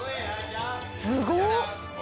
すごっ！